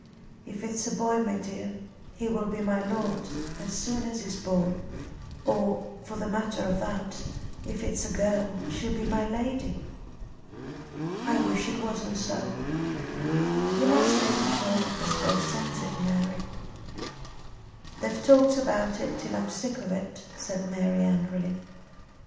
If it's a boy, my dear, he will be my lord as soon as he's born; or for the matter of that, if it's a girl she will be my lady." "I wish it wasn't so." "You must take it all as God sends it, Mary." "They've talked about it till I'm sick of it," said Mary angrily.